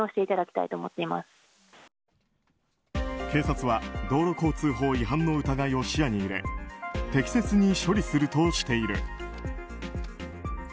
警察は道路交通法違反の疑いを視野に入れ適切に処理するとしている。